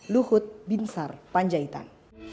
luhut binsar panjaitan